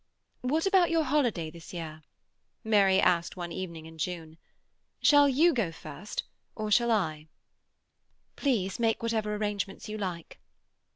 "What about your holiday this year?" Mary asked one evening in June. "Shall you go first, or shall I?" "Please make whatever arrangements you like."